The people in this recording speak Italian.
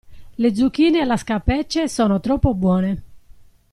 Le zucchine alla scapece sono troppo buone!